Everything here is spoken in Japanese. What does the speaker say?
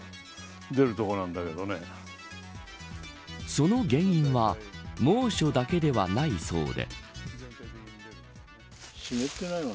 その原因は猛暑だけではないそうで。